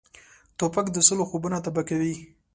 توپک د سولې خوبونه تباه کوي.